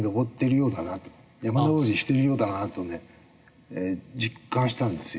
山登りしてるようだなとね実感したんですよ。